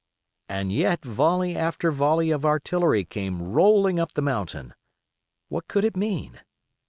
And yet volley after volley of artillery came rolling up the mountain. What could it mean?